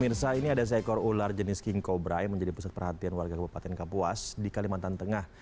mirsa ini ada seekor ular jenis king cobra yang menjadi pusat perhatian warga kabupaten kapuas di kalimantan tengah